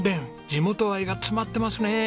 地元愛が詰まってますね。